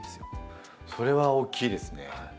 それは大きいですね。